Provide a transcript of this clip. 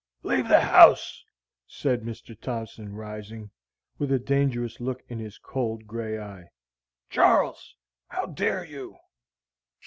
"Leave the house!" said Mr. Thompson, rising, with a dangerous look in his cold, gray eye. "Char les, how dare you?"